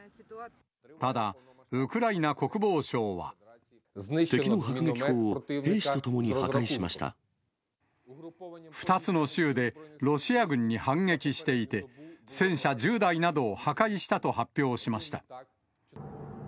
ただ、敵の迫撃砲を兵士とともに破２つの州で、ロシア軍に反撃していて、戦車１０台などを破壊したと発表しました。